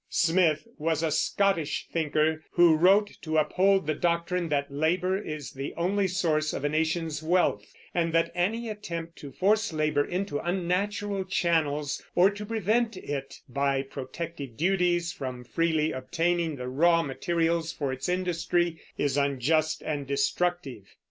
Smith was a Scottish thinker, who wrote to uphold the doctrine that labor is the only source of a nation's wealth, and that any attempt to force labor into unnatural channels, or to prevent it by protective duties from freely obtaining the raw materials for its industry, is unjust and destructive.